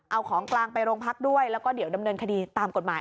เอาของกลางไปโรงพักด้วยแล้วก็เดี๋ยวดำเนินคดีตามกฎหมาย